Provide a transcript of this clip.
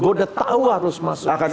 gue udah tahu harus masuk ke sini